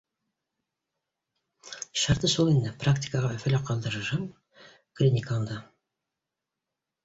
Шарты шул инде практикаға Өфөлә ҡалдырырһың, клиникаңда